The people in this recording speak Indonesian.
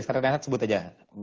sekarang renhard sebut aja